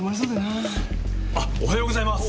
あおはようございます。